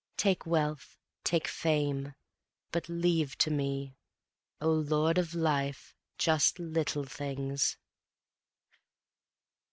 . Take wealth, take fame, but leave to me, O Lord of Life, just Little Things.